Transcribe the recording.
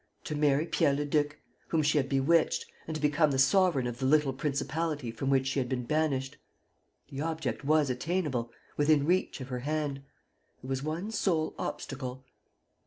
To marry Pierre Leduc, whom she had bewitched, and to become the sovereign of the little principality from which she had been banished. The object was attainable, within reach of her hand. There was one sole obstacle.